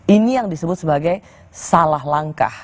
ini yang disebut sebagai salah langkah